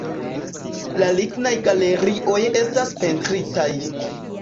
La lignaj galerioj estas pentritaj.